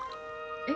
え？